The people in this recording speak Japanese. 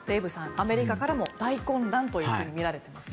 アメリカからも大混乱とみられていますね。